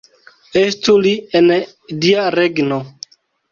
Estu li en Dia regno!